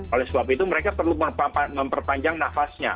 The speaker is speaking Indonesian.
oleh sebab itu mereka perlu memperpanjang nafasnya